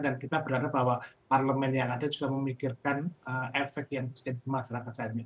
dan kita berharap bahwa parlemen yang ada juga memikirkan efek yang sedemikian maksimal kata kata saya